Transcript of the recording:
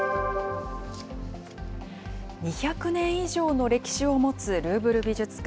２００年以上の歴史を持つルーブル美術館。